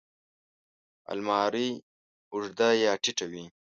الماري اوږده یا ټیټه وي